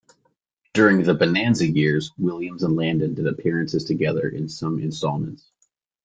During the "Bonanza" years, Williams and Landon did appearances together in some installments.